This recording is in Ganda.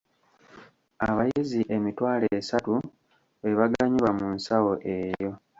Abayizi emitwalo esatu be baganyulwa mu nsawo eyo.